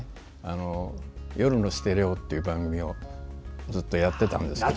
「夜のステレオ」という番組をずっとやってたんですけど。